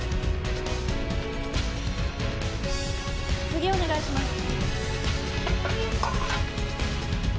次お願いします。